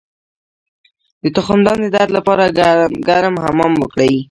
د تخمدان د درد لپاره ګرم حمام وکړئ